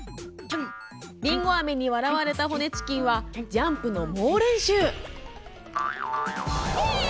りんごあめに笑われたほねチキンはジャンプの猛練習。